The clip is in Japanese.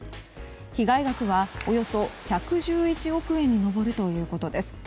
被害額はおよそ１１１億円に上るということです。